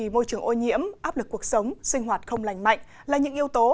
môi trường ô nhiễm áp lực cuộc sống sinh hoạt không lành mạnh là những yếu tố